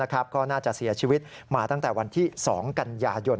ก็น่าจะเสียชีวิตมาตั้งแต่วันที่๒กันยายน